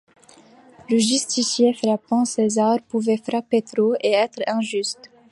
Le justicier, frappant César, pouvait frapper trop, et être injuste.